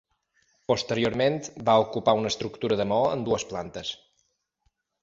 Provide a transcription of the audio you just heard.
Posteriorment, va ocupar una estructura de maó amb dues plantes.